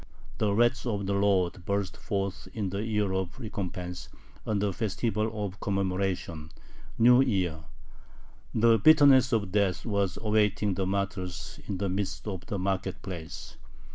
The wrath of the Lord burst forth in the year of "Recompense," on the festival of Commemoration [New Year]. The bitterness of death was awaiting [the martyrs] in the midst of the market place.